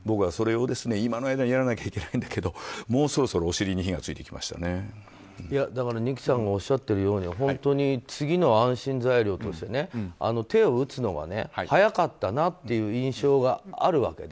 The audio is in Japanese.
今の間にやらなきゃいけないんだけどもうそろそろ二木さんがおっしゃってるように次の安心材料として手を打つのは早かったなっていう印象があるわけで。